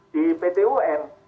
di pt un